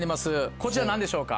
こちら何でしょうか？